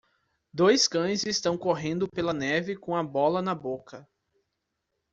Dois cães estão correndo pela neve com a bola na boca.